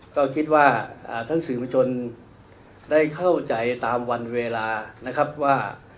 ก็คิดว่าท่านสื่อมวลชนได้เข้าใจตามวันเวลานะครับว่า